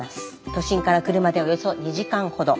都心から車でおよそ２時間ほど。